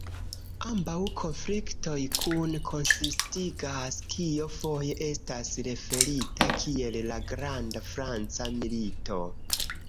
Ambaŭ konfliktoj kune konsistigas kio foje estas referita kiel la "'Granda Franca Milito'".